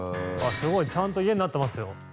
すごい。ちゃんと家になってますよ。